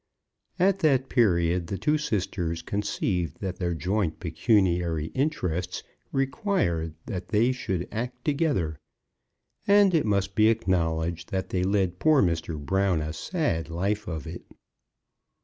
At that period the two sisters conceived that their joint pecuniary interests required that they should act together; and it must be acknowledged that they led poor Mr. Brown a sad life of it.